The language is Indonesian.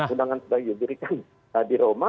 undangan sudah diberikan di roma